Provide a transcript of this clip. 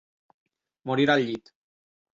Morir al llit.